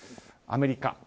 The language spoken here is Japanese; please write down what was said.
アメリカ。